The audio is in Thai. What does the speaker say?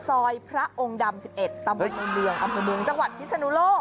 พระองค์ดำ๑๑ตำบลในเมืองอำเภอเมืองจังหวัดพิศนุโลก